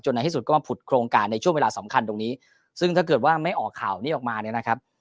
ในที่สุดก็มาผุดโครงการในช่วงเวลาสำคัญตรงนี้ซึ่งถ้าเกิดว่าไม่ออกข่าวนี้ออกมาเนี่ยนะครับ